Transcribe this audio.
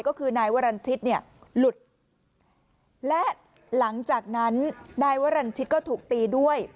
ก็คือนายวรรณชิตเนี่ยหลุดและหลังจากนั้นนายวรรณชิตก็ถูกตีด้วย